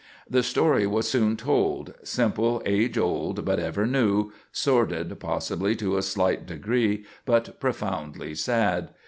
The story was soon told: simple, age old, but ever new, sordid possibly to a slight degree, but profoundly sad.